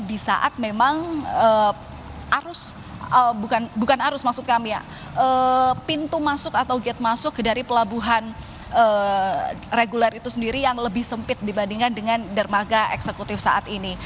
di saat memang arus bukan arus maksud kami ya pintu masuk atau gate masuk dari pelabuhan reguler itu sendiri yang lebih sempit dibandingkan dengan dermaga eksekutif saat ini